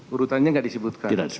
urutannya tidak disebutkan